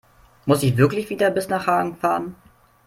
Muss ich wirklich wieder bis nach Hagen fahren?